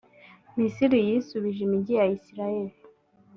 misiri yisubije imigi ya isirayeli